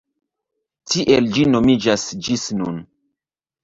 Tiel ĝi nomiĝas ĝis nun.